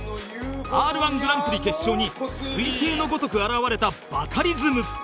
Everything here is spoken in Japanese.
Ｒ−１ ぐらんぷり決勝に彗星のごとく現れたバカリズム